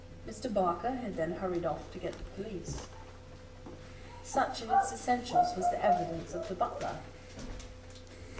Mr. Barker had then hurried off to get the police. Such, in its essentials, was the evidence of the butler.